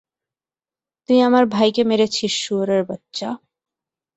তুই আমার ভাইকে মেরেছিস, শুয়োরের বাচ্চা!